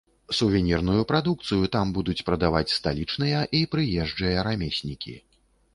Сувенірную прадукцыю там будуць прадаваць сталічныя і прыезджыя рамеснікі.